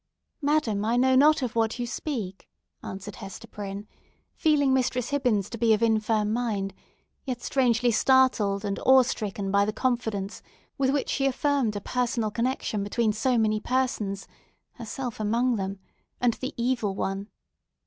"Madam, I know not of what you speak," answered Hester Prynne, feeling Mistress Hibbins to be of infirm mind; yet strangely startled and awe stricken by the confidence with which she affirmed a personal connexion between so many persons (herself among them) and the Evil One.